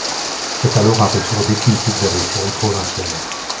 C'est alors un retour définitif vers les séries provinciales.